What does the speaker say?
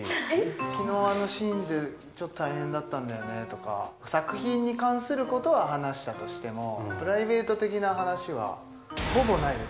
雪のシーンでちょっと大変だったんだよねとか、作品に関することは話したとしても、プライベート的な話はほぼないです。